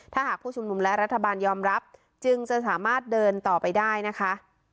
ถ้าหากผู้ชุมนุมและรัฐบาลยอมรับจึงจะสามารถเดินต่อไปได้นะคะ